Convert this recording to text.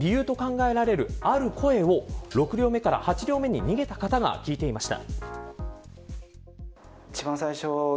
その理由と考えられるある声を６両目から８両目に逃げた方が聞いていました。